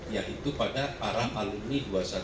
yaitu pada para alumni dua ratus dua belas